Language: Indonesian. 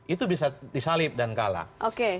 itu bisa disalib dan kalah